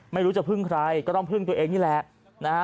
ไม่รู้จะพึ่งใครก็ต้องพึ่งตัวเองนี่แหละนะฮะ